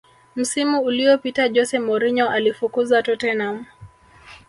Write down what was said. msimu uliopita jose mourinho alifukuzwa tottenham